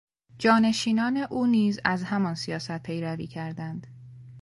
جانشینان او نیز از همان سیاست پیروی کردند.